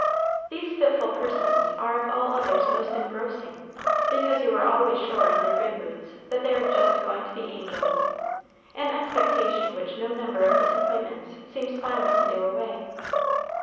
These fitful persons are of all others most engrossing, because you are always sure in their good moods that they are just going to be angels, an expectation which no number of disappointments seems finally to do away.